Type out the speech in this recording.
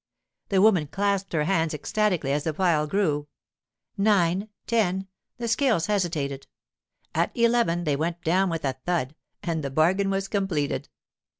The woman clasped her hands ecstatically as the pile grew. Nine—ten—the scales hesitated. At eleven they went down with a thud, and the bargain was completed.